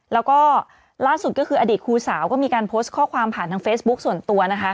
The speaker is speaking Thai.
แล้วก็ล่าสุดก็คืออดีตครูสาวก็มีการโพสต์ข้อความผ่านทางเฟซบุ๊คส่วนตัวนะคะ